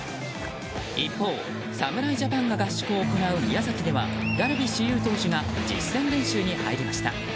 一方、侍ジャパンが合宿を行う宮崎ではダルビッシュ有投手が実戦練習に入りました。